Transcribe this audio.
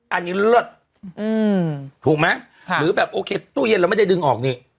อันนี้เลิศถูกไหมหรือแบบโอเคตู้เย็นเราไม่ได้ดึงออกนี่